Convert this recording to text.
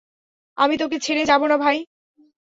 আমি তোকে ছেড়ে যাবো না, ভাই।